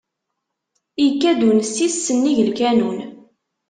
Ikka-d unessis s nnig lkanun.